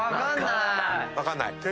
分かんない！